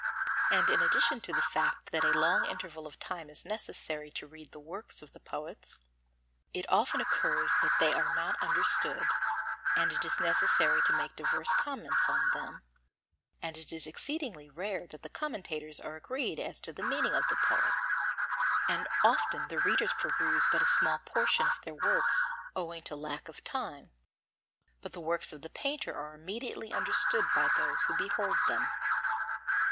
And in addition to the fact that a long interval of time is necessary to read the works of the poets, it often occurs that they are not understood, and it is necessary to make diverse comments on them, and it is exceedingly rare that the commentators are agreed as to the meaning of the poet; and often the readers peruse but a small portion of their works, owing to lack of time. But the works of the painter are immediately understood by those who behold them.